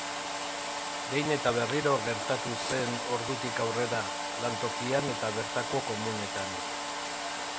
Behin eta berriro gertatu zen ordutik aurrera, lantokian eta bertako komunetan.